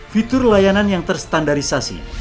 fitur layanan yang terstandarisasi